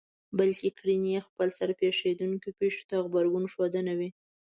بلکې کړنې يې خپلسر پېښېدونکو پېښو ته غبرګون ښودنه وي.